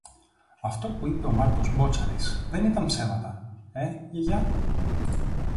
Αυτό που είπε ο Μάρκος Μπότσαρης δεν ήταν ψέματα, ε, Γιαγιά;